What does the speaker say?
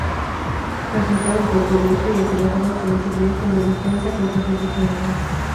Presentaba un cuerpo recio y acorazado que le servía como defensa contra sus depredadores.